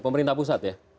pemerintah pusat ya